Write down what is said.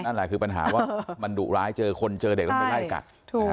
นั่นแหละคือปัญหาว่ามันดุร้ายเจอคนเจอเด็กแล้วมันไปไล่กัด